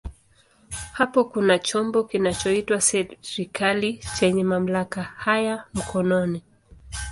Hapo kuna chombo kinachoitwa serikali chenye mamlaka haya mkononi.